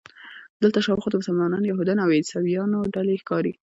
دلته شاوخوا د مسلمانانو، یهودانو او عیسویانو ډلې ښکاري.